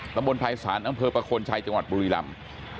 ตำบลไพสารดำเภอปะโคนชายจังหวัดปุริรำ